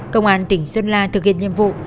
công an tỉnh sơn la thực hiện nhiệm vụ